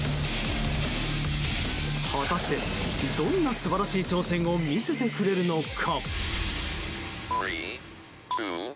果たしてどんな素晴らしい挑戦を見せてくれるのか。